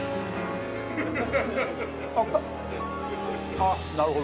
あっなるほど。